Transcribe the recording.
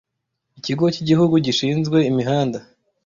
Ikigo cyigihugu gishinzwe imihanda